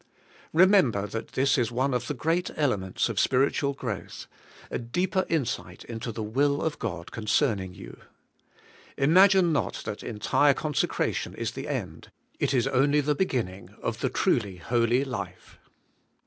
' Ee member that this is one of the great elements of spir itual growth — a deeper insight into the will of God concerning you. Imagine not that entire consecra tion is the end — it is only the beginning — of the truly holy life.